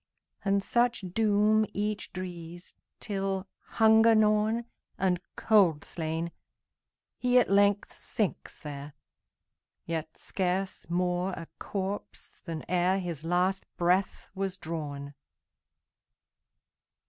And such doom each drees, Till, hunger gnawn, And cold slain, he at length sinks there, Yet scarce more a corpse than ereHis last breath was drawn.